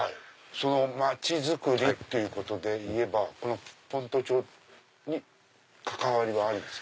町づくりっていうことで言えば先斗町に関わりはあるんですか？